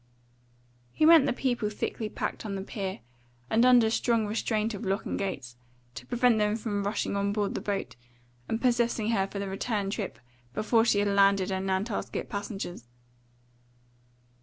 He meant the people thickly packed on the pier, and under strong restraint of locks and gates, to prevent them from rushing on board the boat and possessing her for the return trip before she had landed her Nantasket passengers.